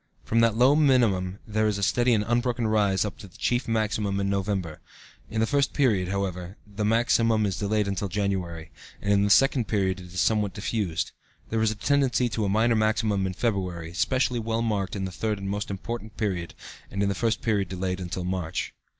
From that low minimum there is steady and unbroken rise up to the chief maximum in November. (In the first period, however, the maximum is delayed till January, and in the second period it is somewhat diffused.) There is a tendency to a minor maximum in February, specially well marked in the third and most important period, and in the first period delayed until March.